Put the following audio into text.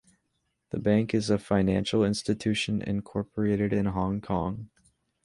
The bank is a financial institution incorporated in Hong Kong.